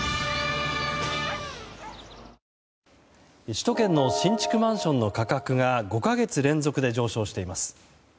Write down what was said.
首都圏の新築マンションの価格が５か月連続で上昇しています。